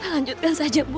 lanjutkan saja bu